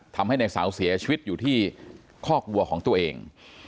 ทำให้ในเสาเสียชีวิตอยู่ที่คอกวัวของตัวเอง